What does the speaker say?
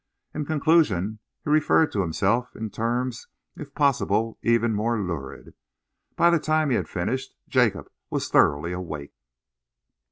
In conclusion, he referred to himself in terms, if possible, even more lurid. By the time he had finished, Jacob was thoroughly awake.